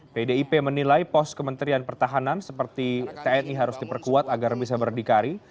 pdip menilai pos kementerian pertahanan seperti tni harus diperkuat agar bisa berdikari